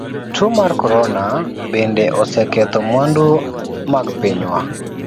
Tuo mar corona bende oseketho mwandu mag pinywa.